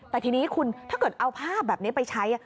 แต่ทีนี้คุณถ้าเกิดเอาภาพแบบนี้ไปใช้